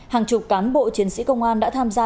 hàng chục cán bộ chiến sĩ công an đã tham gia